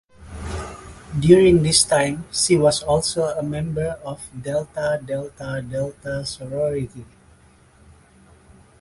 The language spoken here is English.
During this time she was also a member of Delta Delta Delta sorority.